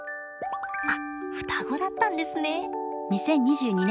あっ双子だったんですね！